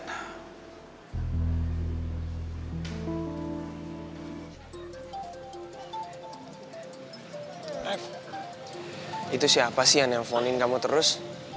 eh itu siapa sih yang nelfonin kamu terus